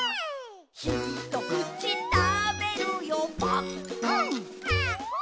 「ひとくちたべるよぱっくん」くん！